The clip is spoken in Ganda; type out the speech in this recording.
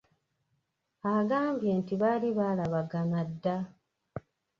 Agambye nti baali baalabagana dda!